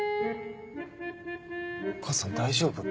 母さん大丈夫？